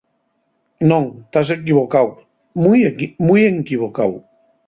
Non, tas enquivocáu, mui enquivocáu.